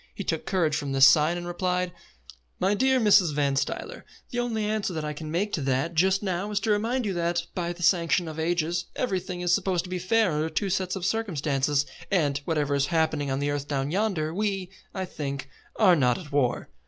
He took courage from this sign, and replied: "My dear Mrs. Van Stuyler, the only answer that I can make to that just now is to remind you that, by the sanction of ages, everything is supposed to be fair under two sets of circumstances, and, whatever is happening on the earth down yonder, we, I think, are not at war."